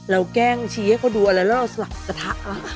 แล้วแก้งชี้ให้เขาดูแล้วเราหลังขอสะทะ